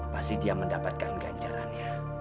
pasti dia mendapatkan ganjarannya